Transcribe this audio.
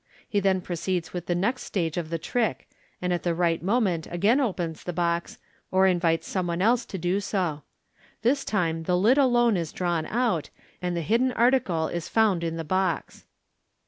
He then proceeds with the next stage of the trick, and at the right moment again opens the box, or invites some one else to do so. This time the lid alone is drawn out, and tht> hidden article is found in the box.